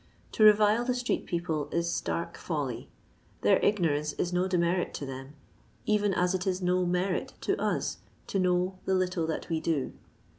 To revile the street people is stark folly. Their ignorance is no demerit to them, even as it is no merit to us to know the little that wc do.